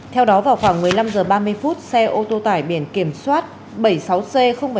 theo đó vào khoảng một mươi năm h ba mươi xe ô tô tải biển kiểm soát bảy mươi sáu c bảy nghìn tám trăm năm mươi ba